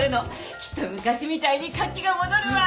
きっと昔みたいに活気が戻るわ！